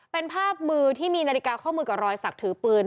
เป็นภาพมือที่มีนาฬิกาข้อมือกับรอยสักถือปืน